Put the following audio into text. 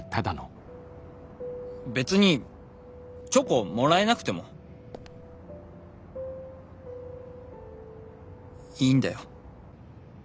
別にチョコもらえなくてもいいんだよ。